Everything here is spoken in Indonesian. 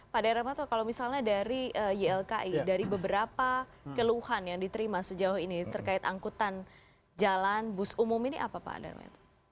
pak darmato kalau misalnya dari ylki dari beberapa keluhan yang diterima sejauh ini terkait angkutan jalan bus umum ini apa pak darmato